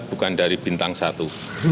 bukan dari bintang satu